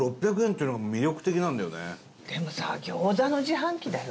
ええー？でもさ餃子の自販機だよ？